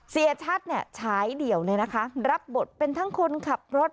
เสียชัดเนี่ยฉายเดี่ยวเลยนะคะรับบทเป็นทั้งคนขับรถ